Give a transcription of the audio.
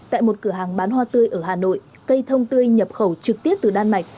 tại một cửa hàng bán hoa tươi ở hà nội cây thông tươi nhập khẩu trực tiếp từ đan mạch